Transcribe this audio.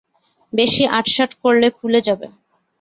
বেশি আঁটসাঁট করলে খুলে যাবে।